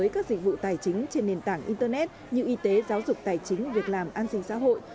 các dịch vụ tài chính trên nền tảng internet như y tế giáo dục tài chính việc làm an sinh xã hội